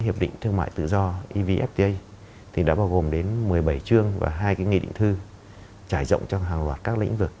hiệp định thương mại tự do evfta thì đã bao gồm đến một mươi bảy chương và hai cái nghị định thư trải rộng trong hàng loạt các lĩnh vực